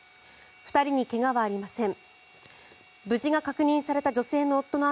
２人に怪我はありません。